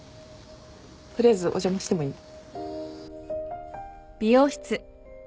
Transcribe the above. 取りあえずお邪魔してもいい？